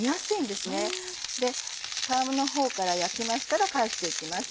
で皮目のほうから焼きましたら返して行きます。